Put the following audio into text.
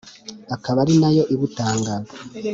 akaba ari nayo ibutanga